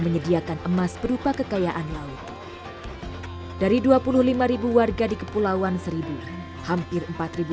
iya di sini di depan pantai pantai sini saja